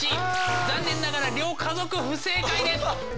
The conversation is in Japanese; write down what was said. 残念ながら両家族不正解です！